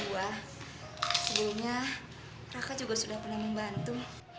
sebelumnya raka juga sudah pernah membantu